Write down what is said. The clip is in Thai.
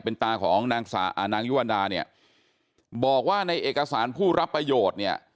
เป็นตาของนางยุวรรดาเนี่ยบอกว่าในเอกสารผู้รับประโยชน์เนี่ย